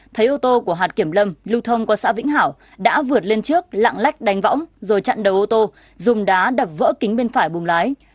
thấy ô tô của hạt kiểm lâm lưu thông qua xã vĩnh hảo đã vượt lên trước lạng lách đánh võng rồi chặn đầu ô tô dùng đá đập vỡ kính bên phải bùng lái